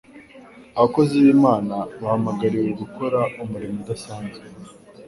Abakozi b'Imana bahamagariwe gukora umurimo udasanzwe,